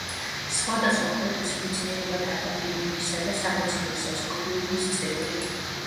სხვადასხვა ქვეყნის მეცნიერებათა აკადემიებისა და სამეცნიერო საზოგადოებების წევრი.